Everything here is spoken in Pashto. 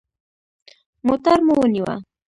موټر مو ونیوه.